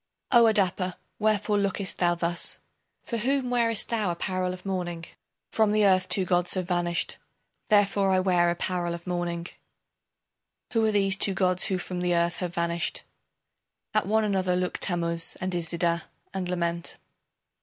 O Adapa, wherefore lookest thou thus, For whom wearest thou apparel of mourning? From the earth two gods have vanished Therefore I wear apparel of mourning. Who are these two gods who from the earth have vanished? At one another look Tammuz and Iszida and lament.